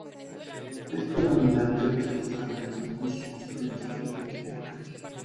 Es predominantemente utilizado en transmisiones por internet en tiempo real.